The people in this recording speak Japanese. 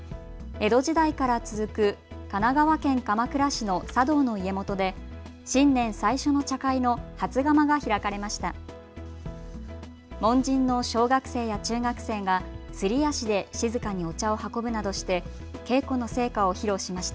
江戸時代から続く神奈川県鎌倉市の茶道の家元で新年最初の茶会の初釜が開かれました。